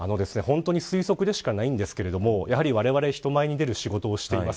推測でしかないんですけど人前に出る仕事をしています。